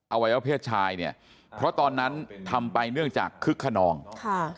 วัยวะเพศชายเนี่ยเพราะตอนนั้นทำไปเนื่องจากคึกขนองค่ะ